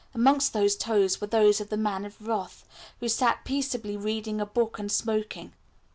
Amongst those toes were those of the Man of Wrath, who sat peaceably reading a book and smoking.